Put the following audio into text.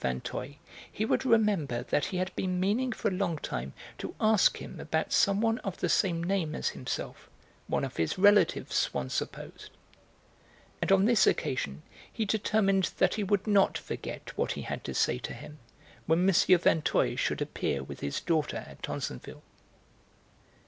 Vinteuil, he would remember that he had been meaning for a long time to ask him about some one of the same name as himself, one of his relatives, Swann supposed. And on this occasion he determined that he would not forget what he had to say to him when M. Vinteuil should appear with his daughter at Tansonville.